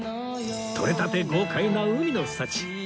とれたて豪快な海の幸